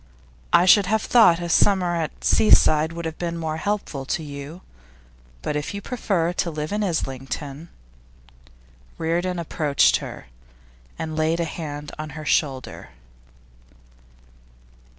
I should have thought a summer at the seaside would have been more helpful to you; but if you prefer to live in Islington ' Reardon approached her, and laid a hand on her shoulder.